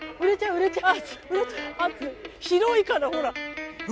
広いからほら。